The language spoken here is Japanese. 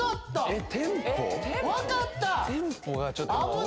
えっ？